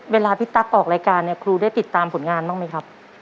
เวลาพี่ตั๊กออกรายการเนี่ยครูได้ติดตามผลงานบ้างไหมครับ